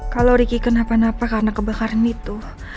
kalau ricky kenapa napa karena kebakaran itu